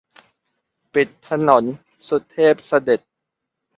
ปิดถนน สุเทพเสด็จ